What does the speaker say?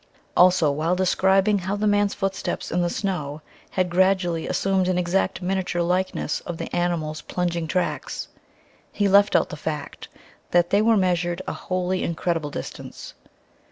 Also, while describing how the man's footsteps in the snow had gradually assumed an exact miniature likeness of the animal's plunging tracks, he left out the fact that they measured a wholly incredible distance.